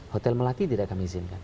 hotel melati tidak kami izinkan